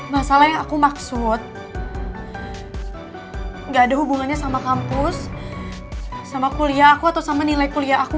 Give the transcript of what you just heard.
masalah yang aku maksud gak ada hubungannya sama kampus sama kuliah aku atau sama nilai kuliah aku